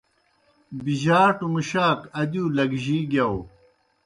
بِجَاٹَوْ مُشاک ادِیؤ لگجِی گِیاؤ۔